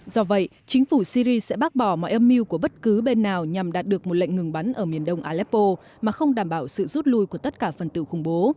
do vậy chính phủ syri sẽ bác bỏ mọi âm mưu của bất cứ bên nào nhằm đạt được một lệnh ngừng bắn ở miền đông aleppo mà không đảm bảo sự rút lui của tất cả phần tử khủng bố